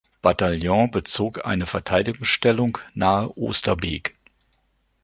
Bataillon bezog eine Verteidigungsstellung nahe Oosterbeek.